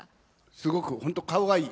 すごく本当顔がいい。